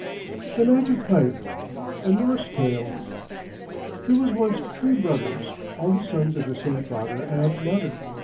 THE MAGIC PIPE A NORSE TALE There was once three brothers, all the sons of the same father and mother.